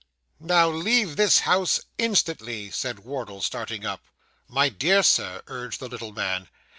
'Now, leave this house instantly!' said Wardle, starting up. 'My dear Sir,' urged the little man.